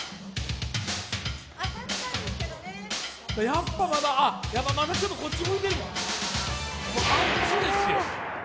やっぱりまだちょっとこっち向いてるもん、あっちですよ。